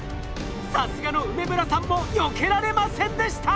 さすがの梅村さんもよけられませんでした。